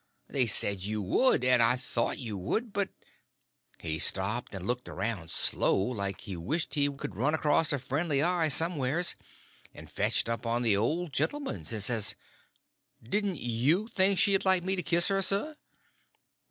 They said you would, and I thought you would. But—" He stopped and looked around slow, like he wished he could run across a friendly eye somewheres, and fetched up on the old gentleman's, and says, "Didn't you think she'd like me to kiss her, sir?"